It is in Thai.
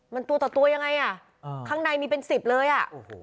มันตัวต่อตัวยังไงอ่ะข้างในมีเป็นสิบเลยอ่ะโอ้โห